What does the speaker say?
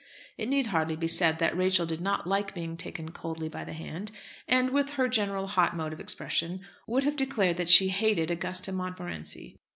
It need hardly be said that Rachel did not like being taken coldly by the hand, and, with her general hot mode of expression, would have declared that she hated Augusta Montmorency.